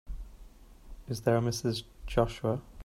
Is there a Mrs. Joshua?